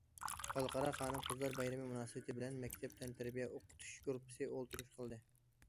خەلقئارا خانىم قىزلار بايرىمى مۇناسىۋىتى بىلەن مەكتەپ تەنتەربىيە ئوقۇتۇش گۇرۇپپىسى ئولتۇرۇش قىلدى.